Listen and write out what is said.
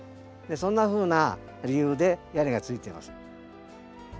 そんなふうな理由で屋根がついてます。